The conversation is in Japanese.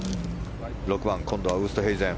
６番今度はウーストヘイゼン。